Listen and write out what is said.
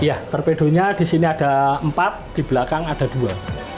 iya torpedo nya disini ada empat di belakang ada dua